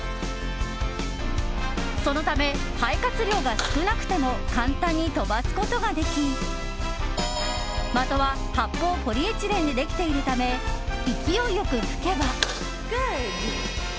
そのため、肺活量が少なくても簡単に飛ばすことができ的は発泡ポリエチレンでできているため勢いよく吹けば。